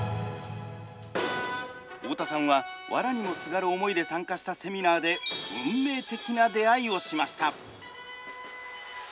太田さんはわらにもすがる思いで参加したセミナーで運命的な出会いをしました。